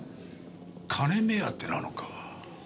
金目当てなのか？